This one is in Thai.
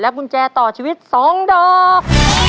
กุญแจต่อชีวิต๒ดอก